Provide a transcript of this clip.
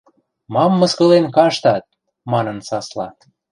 Мам мыскылен каштат?! – манын сасла.